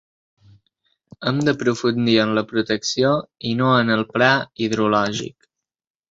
Hem d’aprofundir en la protecció, i no en el pla hidrològic